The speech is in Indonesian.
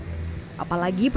apalagi perempatan yang lainnya